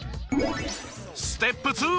ステップ２。